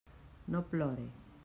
No plore.